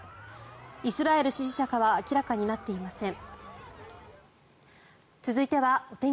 イスラエル支持者かは明らかになっていません。